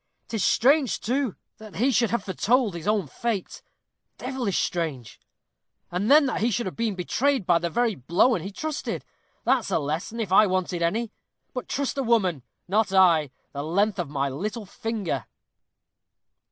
'Tis strange, too, that he should have foretold his own fate devilish strange! And then that he should have been betrayed by the very blowen he trusted! that's a lesson, if I wanted any. But trust a woman! not I, the length of my little finger."